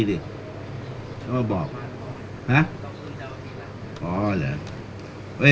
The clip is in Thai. ยังเลยผมยังไม่รับเลยไปหาไหนทีดิต้องมาบอก